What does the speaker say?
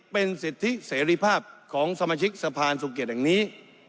เป็นสิทธิเสรีภาพของสมาชิกสะพานสุเกตแห่งนี้